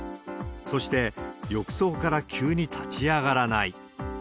そして浴槽から急に立ち上がらない。